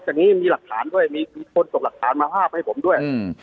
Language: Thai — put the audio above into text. อย่างนี้มีหลักฐานด้วยมีคนส่งหลักฐานมาภาพให้ผมด้วย